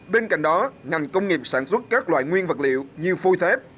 bên cạnh đó ngành công nghiệp sản xuất các loại nguyên vật liệu như phôi thép